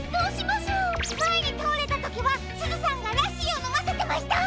まえにたおれたときはすずさんがラッシーをのませてました。